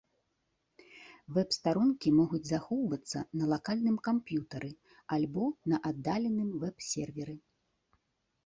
Вэб-старонкі могуць захоўвацца на лакальным камп'ютары альбо на аддаленым вэб-серверы.